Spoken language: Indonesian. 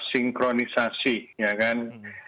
sinkronisasi ya kan